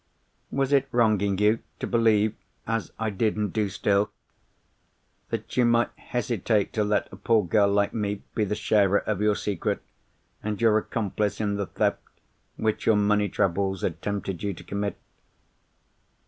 Was it wronging you to believe, as I did and do still, that you might hesitate to let a poor girl like me be the sharer of your secret, and your accomplice in the theft which your money troubles had tempted you to commit?